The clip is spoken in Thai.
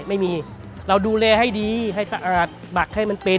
ไม่มีเราดูแลให้ดีให้สะอาดบักให้มันเป็น